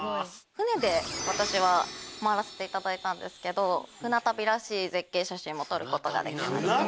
船で私は回らせていただいたんですけど船旅らしい絶景写真も撮ることができました。